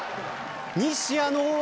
西矢の大技